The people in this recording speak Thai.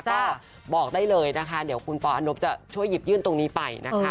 ก็บอกได้เลยนะคะเดี๋ยวคุณปอนพจะช่วยหยิบยื่นตรงนี้ไปนะคะ